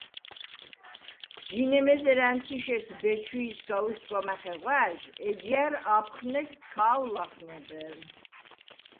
– ჯინემ ესერ ა̈ნთიშეს ბეჩვიჲსგა უსგვა მახეღვა̈ჟ, ეჯჲა̈რ აფხნეგდ ქავ ლახნებე.